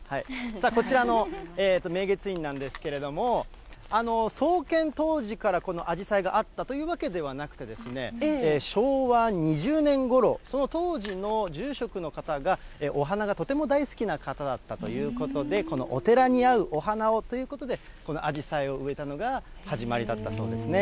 さあ、こちらの明月院なんですけれども、創建当時からこのあじさいがあったというわけではなくてですね、昭和２０年ごろ、その当時の住職の方が、お花がとても大好きな方だったということで、このお寺に合うお花をということで、このあじさいを植えたのが始まりだったそうですね。